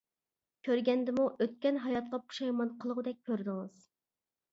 كۆرگەندىمۇ ئۆتكەن ھاياتقا پۇشايمان قىلغۇدەك كۆردىڭىز.